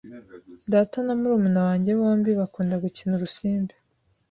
Data na murumuna wanjye bombi bakunda gukina urusimbi.